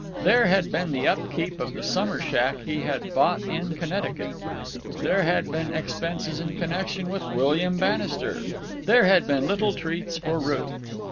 There had been the upkeep of the summer shack he had bought in Connecticut. There had been expenses in connection with William Bannister. There had been little treats for Ruth.